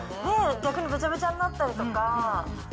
逆にべちゃべちゃになったりとか。